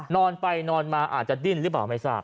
นอนไปนอนมาอาจจะดิ้นหรือเปล่าไม่ทราบ